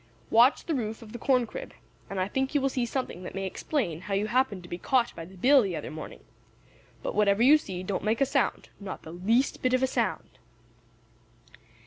Watch the roof of the corn crib, and I think you will see something that may explain how you happened to be caught by the bill the other morning. But whatever you see, don't make a sound, not the least bit of a sound."